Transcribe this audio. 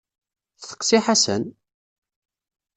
Steqsi Ḥasan!